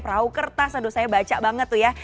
perahu kertas aduh saya baca banget tuh ya